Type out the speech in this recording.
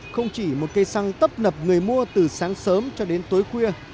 không chỉ một cây xăng tấp nập người mua từ sáng sớm cho đến tối khuya